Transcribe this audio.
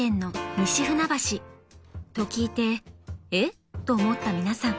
［と聞いてえっ？と思った皆さん］